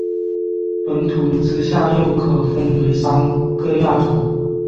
本种之下又可分为三个亚种。